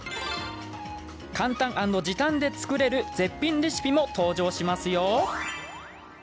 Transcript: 簡単・時短で作れる絶品レシピも登場しますよ。